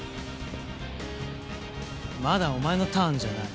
まだお前のターンじゃない。